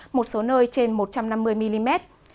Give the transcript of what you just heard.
một số nơi trên một trăm năm mươi mm